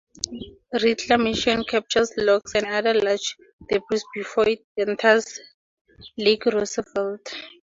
Reclamation captures logs and other large debris before it enters Lake Roosevelt.